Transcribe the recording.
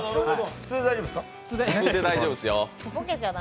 普通で大丈夫ですか？